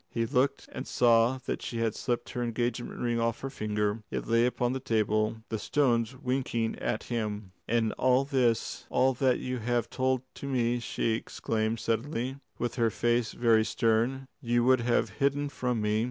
He looked and saw that she had slipped her engagement ring off her finger. It lay upon the table, the stones winking at him. "And all this all that you have told to me," she exclaimed suddenly, with her face very stern, "you would have hidden from me?